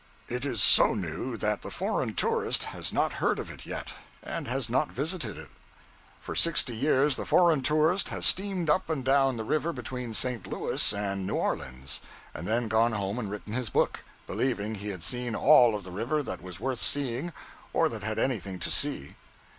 It is so new that the foreign tourist has not heard of it yet; and has not visited it. For sixty years, the foreign tourist has steamed up and down the river between St. Louis and New Orleans, and then gone home and written his book, believing he had seen all of the river that was worth seeing or that had anything to see.